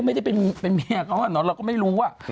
ก็ไม่ได้เป็นแม่เขาหรอกเราก็ไม่รู้